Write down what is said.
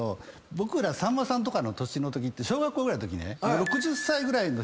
僕らさんまさんとかの年のとき小学校ぐらいのときね。